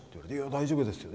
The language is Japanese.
「大丈夫ですよ」。